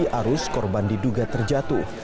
pada hari ini arus korban diduga terjatuh